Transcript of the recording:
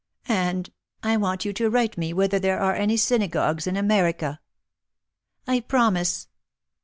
And — I want you to write me whether there are any synagogues in America." "I promise!"